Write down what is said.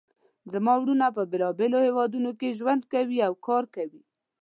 زما وروڼه په بیلابیلو هیوادونو کې ژوند کوي او کار کوي